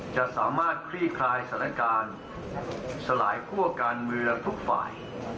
จะสามารถคลี่คลายสถานการณ์สลายคั่วการเมืองทุกฝ่าย